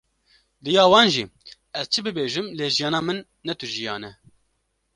Diya wan jî: Ez çi bibêjim, lê jiyana min, ne tu jiyan e.”